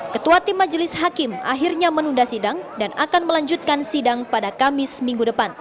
ketua tim majelis hakim akhirnya menunda sidang dan akan melanjutkan sidang pada kamis minggu depan